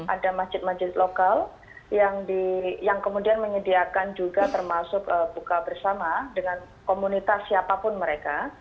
ada masjid masjid lokal yang kemudian menyediakan juga termasuk buka bersama dengan komunitas siapapun mereka